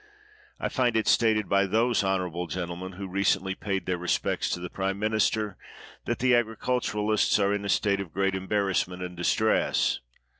I find it stated by those honorable gentlemen who recently paid their respects to the prime minister, that the agriculturists are in a state of great embarrass ment and distress.